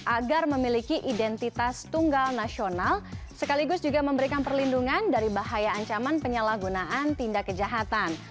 agar memiliki identitas tunggal nasional sekaligus juga memberikan perlindungan dari bahaya ancaman penyalahgunaan tindak kejahatan